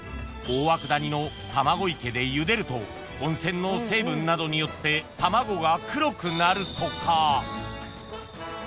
大涌谷のたまご池でゆでると温泉の成分などによって卵が黒くなるとか］